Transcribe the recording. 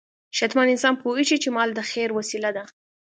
شتمن انسان پوهېږي چې مال د خیر وسیله ده.